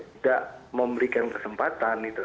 tidak memberikan kesempatan